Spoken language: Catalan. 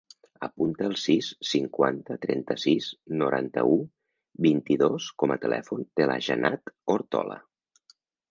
Apunta el sis, cinquanta, trenta-sis, noranta-u, vint-i-dos com a telèfon de la Janat Ortola.